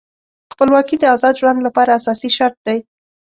خپلواکي د آزاد ژوند لپاره اساسي شرط دی.